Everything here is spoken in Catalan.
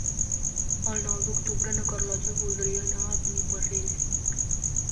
El nou d'octubre na Carlota voldria anar a Beniparrell.